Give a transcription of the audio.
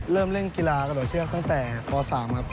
เริ่มเล่นกีฬากระโดดเชือกตั้งแต่ป๓ครับ